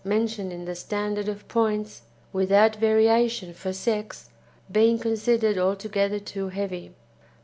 mentioned in the standard of points, without variation for sex being considered altogether too heavy.